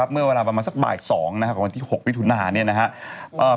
เมื่อเวลาประมาณสักบ่าย๒วันที่๖วิทยุนาฮาร์